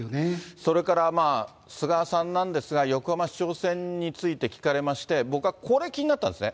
それから菅さんなんですが、横浜市長選について聞かれまして、これ、気になったんですね。